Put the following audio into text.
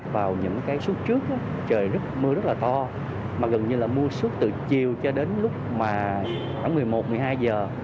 vào những cái xuất trước trời mưa rất là to mà gần như là mưa xuất từ chiều cho đến lúc một mươi một một mươi hai giờ